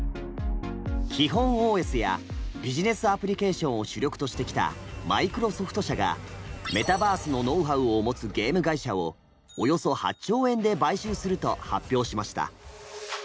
基本ＯＳやビジネスアプリケーションを主力としてきたマイクロソフト社がメタバースのノウハウを持つゲーム会社をおよそ８兆円で買収すると発表しました。